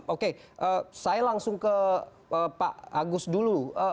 oke saya langsung ke pak agus dulu